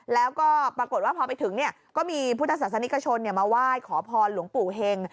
แล้วก็ปรากฏว่าพอไปถึงก็มีพุทธศาสนิกชนมาไหว้ขอพรหลวงปู่เห็ง